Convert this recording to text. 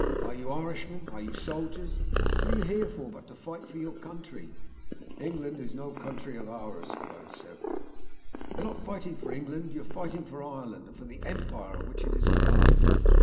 "Are you Irishmen? Are you soldiers? What are you here for but to fight for your country?" "England is no country of ours," cried several. "You are not fighting for England. You are fighting for Ireland, and for the Empire of which it as part."